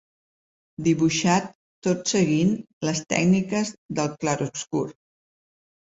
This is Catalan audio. Dibuixat tot seguint les tècniques del clarobscur.